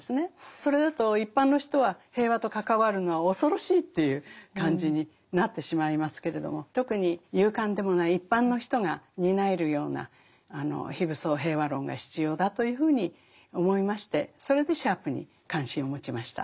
それだと一般の人は平和と関わるのは恐ろしいという感じになってしまいますけれども特に勇敢でもない一般の人が担えるような非武装平和論が必要だというふうに思いましてそれでシャープに関心を持ちました。